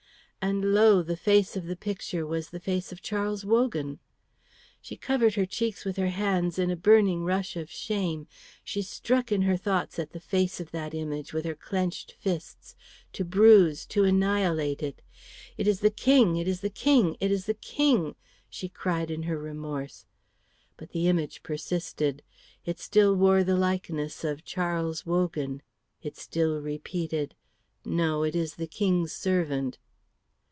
And, lo! the face of the picture was the face of Charles Wogan. She covered her cheeks with her hands in a burning rush of shame; she struck in her thoughts at the face of that image with her clenched fists, to bruise, to annihilate it. "It is the King! It is the King! It is the King!" she cried in her remorse, but the image persisted. It still wore the likeness of Charles Wogan; it still repeated, "No, it is the King's servant."